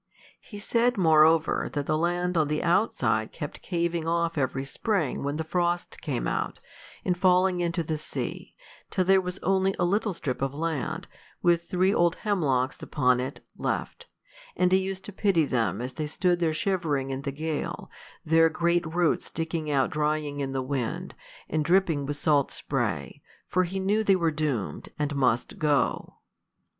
He said, moreover, that the land on the outside kept caving off every spring when the frost came out, and falling into the sea, till there was only a little strip of land, with three old hemlocks upon it, left; and he used to pity them as they stood there shivering in the gale, their great roots sticking out drying in the wind, and dripping with salt spray, for he knew they were doomed, and must go.